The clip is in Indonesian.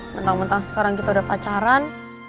mentang mentang sekarang kita udah pacaran